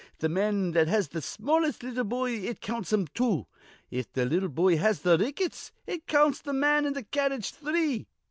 Th' man that has th' smallest little boy it counts him two. If th' little boy has th' rickets, it counts th' man in th' carredge three.